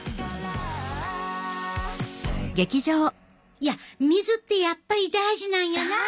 いや水ってやっぱり大事なんやなあ。